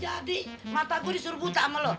jadi mata gue disuruh buta sama lu